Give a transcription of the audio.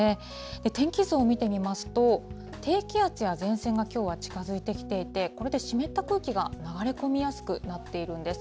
天気図を見てみますと、低気圧や前線がきょうは近づいてきていて、これで湿った空気が流れ込みやすくなっているんです。